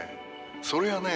それがね